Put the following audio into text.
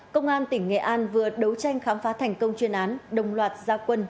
công an tỉnh nghệ an vừa đấu tranh khám phá thành công chuyên án đồng loạt gia quân